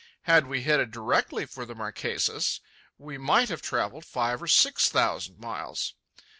Had we headed directly for the Marquesas, we might have travelled five or six thousand miles.